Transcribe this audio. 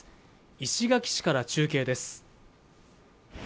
石垣市から中継です。